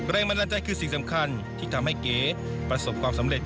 แรงบันดาลใจคือสิ่งสำคัญที่ทำให้เก๋ประสบความสำเร็จ